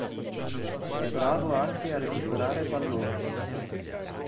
È bravo anche a recuperare palloni.